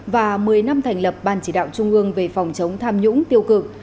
và một mươi năm thành lập ban chỉ đạo trung ương về phòng chống tham nhũng tiêu cực